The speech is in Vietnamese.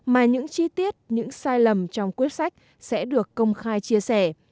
mà những chi tiết những sai lầm trong quyết sách sẽ được công khai chia sẻ